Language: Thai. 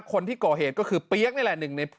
คนที่ก่อเหตุก็คือเปี๊ยกนี่แหละ